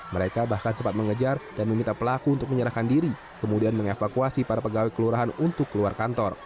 mereka bahkan cepat mengejar dan meminta pelaku untuk menyerahkan diri kemudian mengevakuasi para pegawai kelurahan untuk keluar kantor